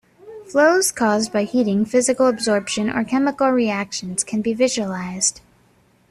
Flows caused by heating, physical absorption or chemical reactions can be visualised.